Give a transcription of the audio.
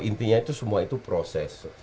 intinya itu semua itu proses